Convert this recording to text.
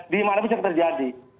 di mana bisa terjadi